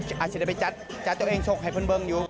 อาจจะไปจัดตัวเองชกให้เพื่อนอยู่